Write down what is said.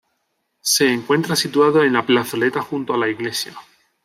Se encuentra situado en la plazoleta junto a la iglesia.